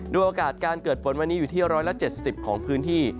โอกาสการเกิดฝนวันนี้อยู่ที่๑๗๐ของพื้นที่